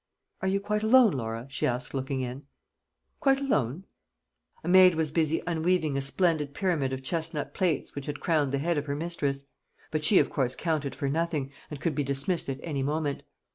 "Are you quite alone, Laura?" she asked, looking in. "Quite alone." A maid was busy unweaving a splendid pyramid of chestnut plaits which had crowned the head of her mistress; but she of course counted for nothing, and could be dismissed at any moment.